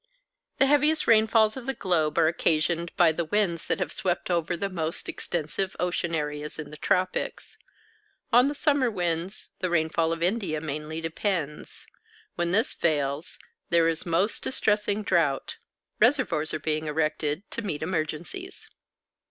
The heaviest rainfalls of the globe are occasioned by the winds that have swept over the most extensive ocean areas in the tropics. On the summer winds the rainfall of India mainly depends; when this fails, there is most distressing drought. Reservoirs are being erected to meet emergencies.